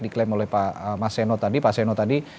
diklaim oleh pak seno tadi